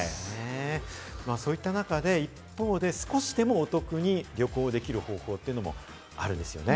そういった中で、一方で、少しでもお得に旅行できる方法もあるんですよね。